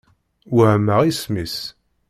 Wehmeɣ isem-is.